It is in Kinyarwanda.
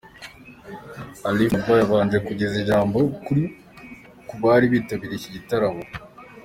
Alif Naaba yabanje kugeza ijambo ku bari bitabiriye iki gitaramo.